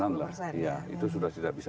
an lah itu sudah tidak bisa